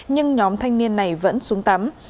nhưng nhóm thanh niên này vẫn xuống tắm